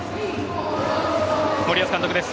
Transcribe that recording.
森保監督です。